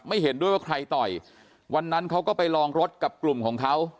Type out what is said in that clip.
เห็นด้วยว่าใครต่อยวันนั้นเขาก็ไปลองรถกับกลุ่มของเขา